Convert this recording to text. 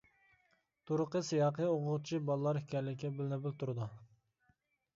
تۇرقى سىياقى ئوقۇغۇچى باللا ئىكەنلىكى بىلىنىپلا تۇرىدۇ.